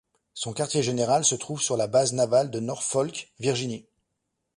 Son quartier-général se trouve sur la base navale de Norfolk, Virginie.